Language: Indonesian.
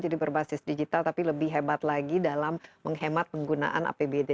jadi berbasis digital tapi lebih hebat lagi dalam menghemat penggunaan apbd